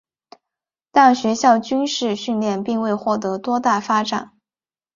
但学校军事训练并未获得多大发展。